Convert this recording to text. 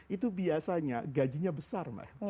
itu biasanya gajinya besar